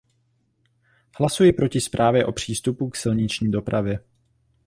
Hlasuji proti zprávě o přístupu k silniční dopravě.